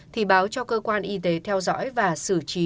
thì báo cho cơ quan y tế theo dõi và xử trí